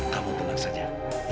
kamu tenang saja